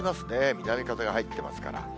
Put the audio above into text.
南風が入ってますから。